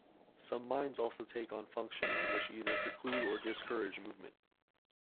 Some Minds also take on functions which either preclude or discourage movement.